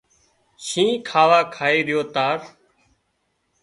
شينهن کاوا کائي ريو تار